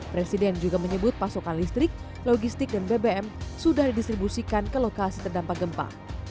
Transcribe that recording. presiden juga menyebut pasokan listrik logistik dan bbm sudah didistribusikan ke lokasi terdampak gempa